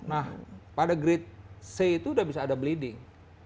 nah pada grade c itu sudah bisa ada bleeding